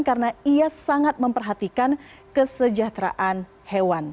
karena ia sangat memperhatikan kesejahteraan hewan